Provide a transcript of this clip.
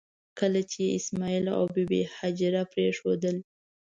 کله چې یې اسماعیل او بي بي هاجره پرېښودل.